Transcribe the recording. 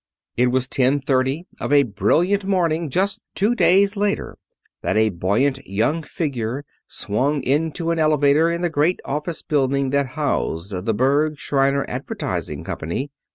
It was ten thirty of a brilliant morning just two days later that a buoyant young figure swung into an elevator in the great office building that housed the Berg, Shriner Advertising Company.